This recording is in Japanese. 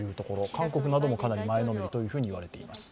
韓国などもかなり前のめりと言われております。